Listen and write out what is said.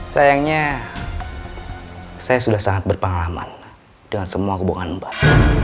sayangnya saya sudah sangat berpengalaman dengan semua hubungan mbah